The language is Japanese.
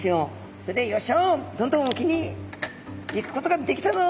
それで「よいしょ！どんどん沖に行くことができたぞ。